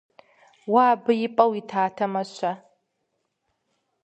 Уэ абы и пӀэ уитатэмэ-щэ?